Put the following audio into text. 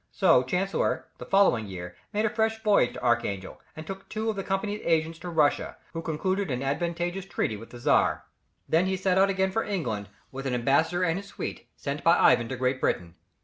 So Chancellor the following year, made a fresh voyage to Archangel, and took two of the Company's agents to Russia, who concluded an advantageous treaty with the Czar. Then he set out again for England with an ambassador and his suite, sent by Ivan to Great Britain.